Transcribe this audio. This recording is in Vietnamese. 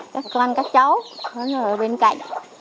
các con các cháu bên cạnh